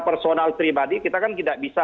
personal pribadi kita kan tidak bisa